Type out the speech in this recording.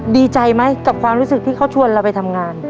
ดีใจไหมกับความรู้สึกที่เขาชวนเราไปทำงาน